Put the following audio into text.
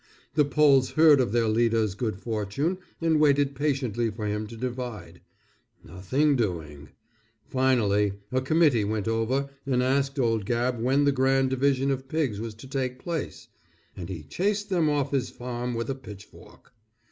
The Poles heard of their leader's good fortune and waited patiently for him to divide. Nothing doing. Finally, a committee went over and asked old Gabb when the grand division of pigs was to take place, and he chased them off his farm with a pitchfork.